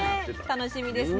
楽しみですね。